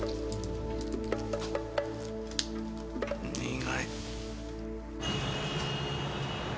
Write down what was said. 苦い。